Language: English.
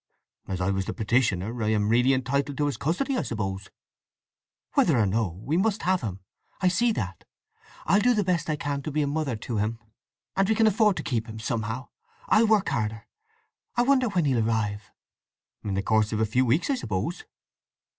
"As I was the petitioner, I am really entitled to his custody, I suppose." "Whether or no, we must have him. I see that. I'll do the best I can to be a mother to him, and we can afford to keep him somehow. I'll work harder. I wonder when he'll arrive?" "In the course of a few weeks, I suppose."